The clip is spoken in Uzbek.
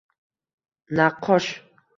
naqqosh